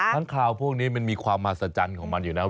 ท่านคลาวพวกนี้มันมีความมาสัจจันของมันอยู่นะ